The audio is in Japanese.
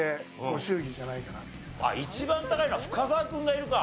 一番高いのは深澤君がいるか。